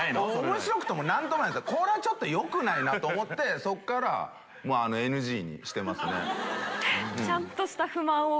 面白くも何ともないこれちょっと良くないなと思ってそっからＮＧにしてますね。